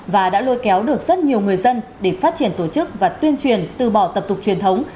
và đã lôi kéo được rất nhiều người dân để phát triển tổ chức và tuyên truyền từ bỏ tập tục truyền thống